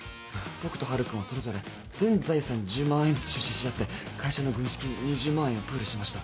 僕とハル君はそれぞれ全財産１０万円ずつ出資し合って会社の軍資金２０万円をプールしました